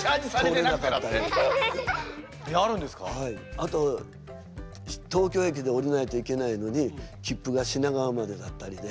あと東京駅でおりないといけないのにきっぷが品川までだったりで。